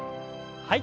はい。